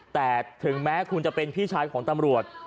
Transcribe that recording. แต่ถึงแม้คุณจะเป็นพี่ชายของตำรวจ